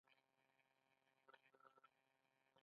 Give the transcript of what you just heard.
ایا د ورځې خوب درځي؟